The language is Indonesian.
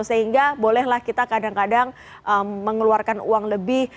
sehingga bolehlah kita kadang kadang mengeluarkan uang lebih